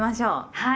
はい。